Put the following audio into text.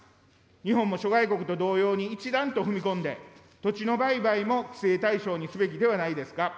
日本も諸外国と同様に一段と踏み込んで、土地の売買も規制対象にすべきではないですか。